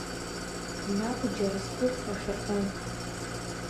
Наҟ џьара схәыцра шаҟьон.